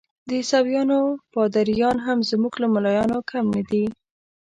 د عیسویانو پادریان هم زموږ له ملایانو کم نه دي.